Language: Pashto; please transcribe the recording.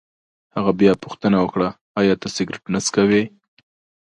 هغه بیا پوښتنه وکړه: ایا ته سګرېټ نه څکوې؟